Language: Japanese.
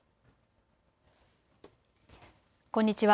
こんにちは。